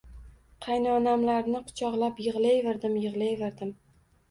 Qaynonamlarni quchoqlab yigʻlayverdim, yigʻlayverdim...